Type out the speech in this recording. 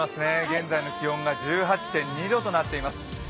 現在の気温が１８．２度となっています。